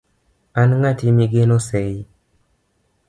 an ng'ati migeno sei